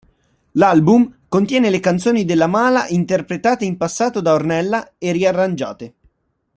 L'album contiene le Canzoni della mala interpretate in passato da Ornella e riarrangiate.